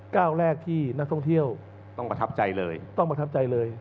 ก้าวแรกที่นักท่องเที่ยวต้องประทับใจเลยต้องประทับใจเลย